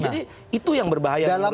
jadi itu yang berbahaya menurut saya